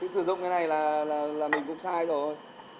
sử dụng cái này là mình cũng sai rồi